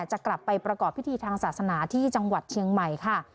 จะกลับไปประกอบพิธีทางศาสนาที่จังหวัดเชียงใหม่ค่ะ